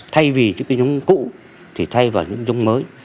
thay vì những cái giống cũ thì thay vào những giống mới